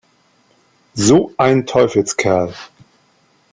So ein Teufelskerl!